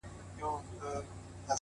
او ستا پر قبر به _